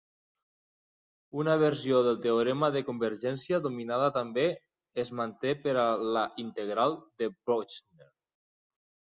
Una versió del teorema de convergència dominada també es manté per a la integral de Bochner.